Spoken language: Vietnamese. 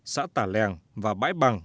xã tả lèng và bãi bằng